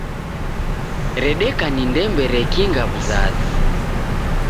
Redeka ni ndembe rekinga w'uzazi